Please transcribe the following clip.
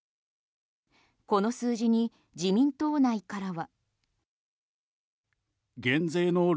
この数字に自民党内からは。